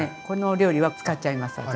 このお料理は使っちゃいます